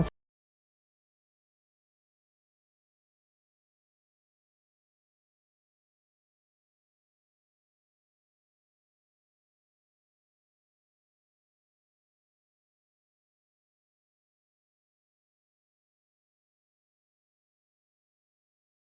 semua itu terjadi karena